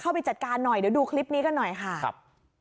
ไปจัดการหน่อยเดี๋ยวดูคลิปนี้กันหน่อยค่ะครับ